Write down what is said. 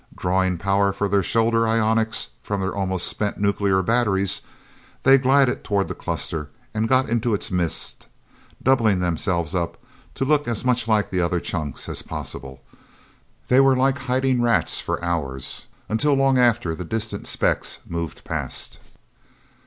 Drawing power for their shoulder ionics from their almost spent nuclear batteries, they glided toward the cluster, and got into its midst, doubling themselves up to look as much like the other chunks as possible. They were like hiding rats for hours, until long after the distant specks moved past.